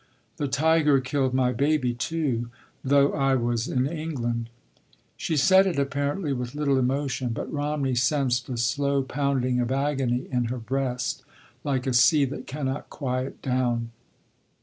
"The tiger killed my baby, too,—though I was in England—" She said it apparently with little emotion, but Romney sensed a slow pounding of agony in her breast, like a sea that cannot quiet down.